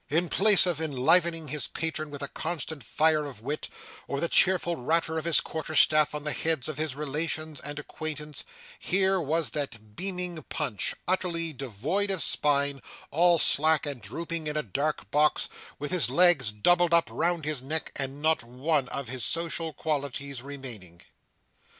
In place of enlivening his patron with a constant fire of wit or the cheerful rattle of his quarter staff on the heads of his relations and acquaintance, here was that beaming Punch utterly devoid of spine, all slack and drooping in a dark box, with his legs doubled up round his neck, and not one of his social qualities remaining.